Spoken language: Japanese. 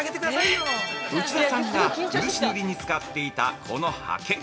内田さんが漆塗りに使っていたこのハケ。